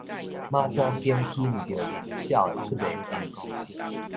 媽祖宮起毋著面，痟的出袂盡